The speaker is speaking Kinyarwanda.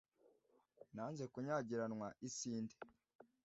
Nanze kunyagiranwa isinde